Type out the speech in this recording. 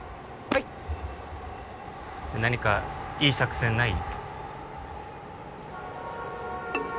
はい何かいい作戦ない？